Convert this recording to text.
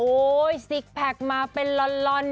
โอ้โหซิกแพคมาเป็นลอน